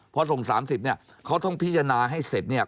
พอส่ง๓๐เนี่ยเขาต้องพิจารณาให้เสร็จเนี่ย